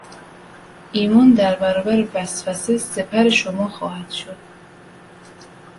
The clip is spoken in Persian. ایمان در برابر وسوسه سپر شما خواهد شد.